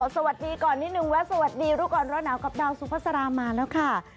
สวัสดีก่อนนิดนึงและสวัสดีรู้ก่อนร้อนหนาวกับดาวสุภาษามาแล้วค่ะ